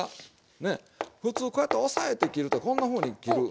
ねっふつうこうやって押さえて切るとこんなふうに切る。